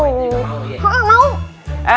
makan juga mau ye